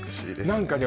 何かね